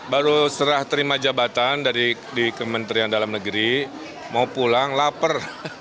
baru serah terima jabatan di kementerian dalam negeri mau pulang lapar